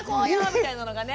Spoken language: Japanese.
みたいなのがね。